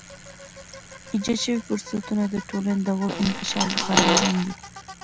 ایجاد شوی فرصتونه د ټولنې د غړو انکشاف لپاره مهم دي.